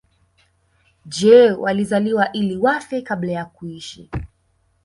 Je walizaliwa ili wafe kabla ya kuishi